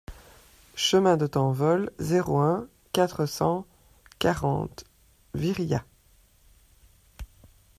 Chemin de Tanvol, zéro un, quatre cent quarante Viriat